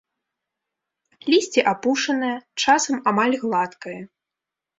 Лісце апушанае, часам амаль гладкае.